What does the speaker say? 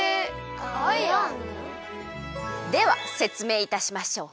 ではせつめいいたしましょう。